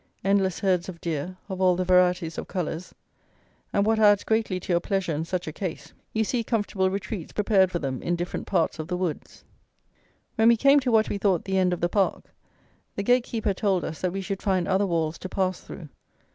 Endless herds of deer, of all the varieties of colours; and, what adds greatly to your pleasure in such a case, you see comfortable retreats prepared for them in different parts of the woods. When we came to what we thought the end of the park, the gate keeper told us that we should find other walls to pass through.